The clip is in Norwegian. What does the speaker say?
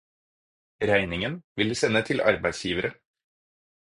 Regningen vil de sende til arbeidsgiverne.